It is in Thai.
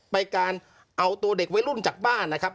การเอาตัวเด็กวัยรุ่นจากบ้านนะครับ